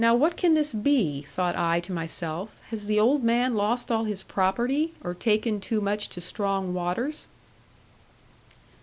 'Now what can this be?' thought I to myself, 'has the old man lost all his property, or taken too much to strong waters?'